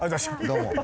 どうも。